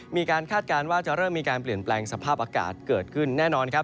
คาดการณ์ว่าจะเริ่มมีการเปลี่ยนแปลงสภาพอากาศเกิดขึ้นแน่นอนครับ